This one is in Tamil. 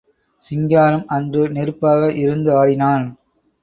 சிங்காரம் அன்று நெருப்பாக இருந்து ஆடினான்.